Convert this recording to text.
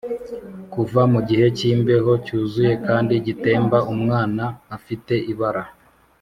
kuva mu gihe cy'imbeho cyuzuye kandi gitemba umwana afite ibara,